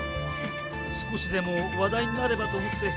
少しでも話題になればと思って。